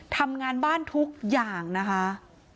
ทำงานบ้านทุกอย่างนะคะ